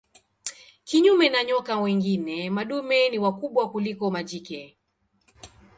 Kinyume na nyoka wengine madume ni wakubwa kuliko majike.